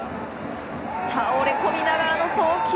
倒れ込みながらの送球！